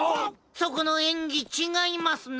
そこのえんぎちがいますな！